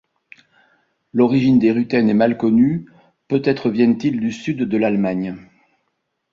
L'origine des Rutènes est mal connue, peut-être viennent-ils du sud de l'Allemagne.